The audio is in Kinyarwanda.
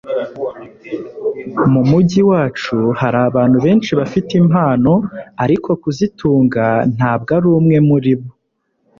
Mu mujyi wacu hari abantu benshi bafite impano ariko kazitunga ntabwo ari umwe muri bo